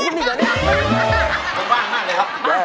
พูดมากเลยครับ